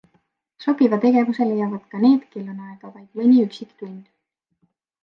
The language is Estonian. Sobiva tegevuse leiavad ka need, kel on aega vaid mõni üksik tund.